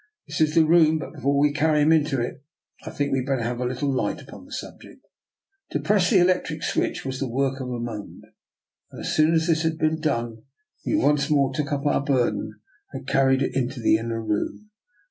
" This is the room; but before we carry him into it I think we had better have a little light upon the subject." To press the electric switch was the work of a moment, and as soon as this had been done we once more took up our burden and carried it into the inner room.